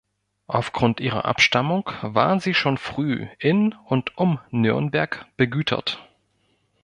Aufgrund ihrer Abstammung waren sie schon früh in und um Nürnberg begütert.